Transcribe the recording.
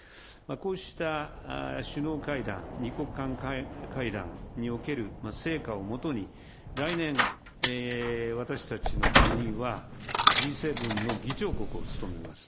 こうした首脳会談、２国間会談における成果をもとに、来年、私たちの国は、Ｇ７の議長国を務めます。